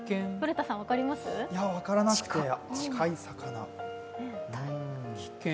分からなくて赤い魚。